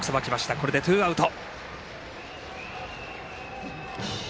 これでツーアウト。